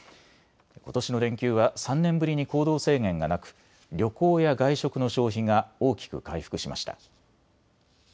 ことしの連休は３年ぶりに行動制限がなく旅行や外食の消費が大きく回復しました。